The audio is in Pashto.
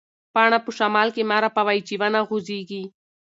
پاڼه په شمال کې مه رپوئ چې ونه غوځېږي.